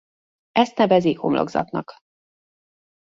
Ezt nevezi homlokzatnak.